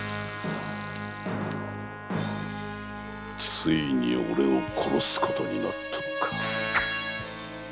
ついに俺を殺すことになったのか。